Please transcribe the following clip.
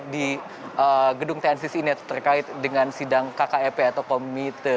di gedung tncc ini terkait dengan sidang kkep atau komite